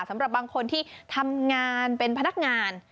สำหรับบางคนที่ทำงานเป็นพนักงาน